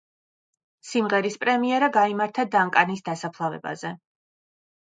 სიმღერის პრემიერა გაიმართა დანკანის დასაფლავებაზე.